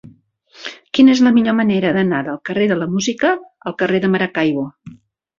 Quina és la millor manera d'anar del carrer de la Música al carrer de Maracaibo?